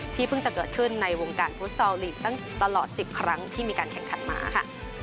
เพิ่งจะเกิดขึ้นในวงการฟุตซอลลีกตั้งตลอด๑๐ครั้งที่มีการแข่งขันมาค่ะ